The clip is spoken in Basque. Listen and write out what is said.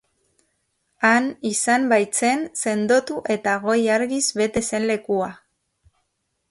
Han izan baitzen sendotu eta goi argiz bete zen lekua.